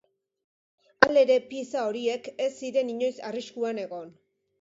Halere, pieza horiek ez ziren inoiz arriskuan egon.